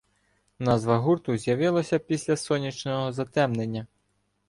Назва гурту з'явилася після сонячного затемнення